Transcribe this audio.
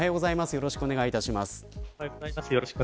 よろしくお願いします。